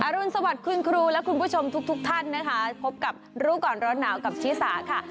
รุนสวัสดิ์คุณครูและคุณผู้ชมทุกท่านนะคะพบกับรู้ก่อนร้อนหนาวกับชิสาค่ะ